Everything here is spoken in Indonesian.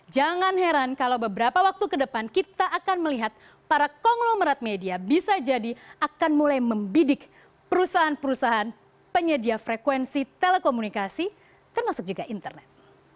jangan heran kalau beberapa waktu ke depan kita akan melihat para konglomerat media bisa jadi akan mulai membidik perusahaan perusahaan penyedia frekuensi telekomunikasi termasuk juga internet